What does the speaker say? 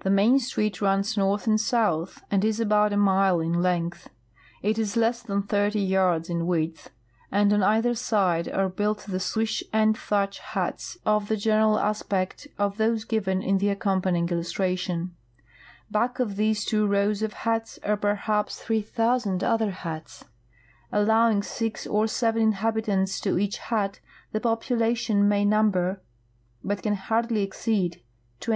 The main street runs north and south and is al)()ut a mile in length. It is less than thirty yards in width, and on either side are built the swish and thatch huts of the general aspect of those givdn in the accompa nying illustration. Back of these two rows of huts are jterhaps DOMESTIC ARCHITECTURE OF KUMASSI From a photograph by George K. French three thousand other huts. Allowing six or seven inhabitants to each hut, the population may number, but can hardl}'^ exceed, 20,000.